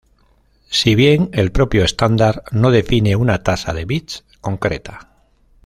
Si bien, el propio estándar no define una tasa de bits concreta.